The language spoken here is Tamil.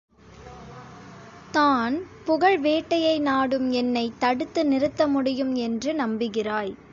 தான் புகழ் வேட்டையை நாடும் என்னை தடுத்து நிறுத்த முடியும் என்று நம்புகிறாய்!